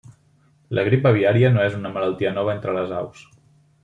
La grip aviària no és una malaltia nova entre les aus.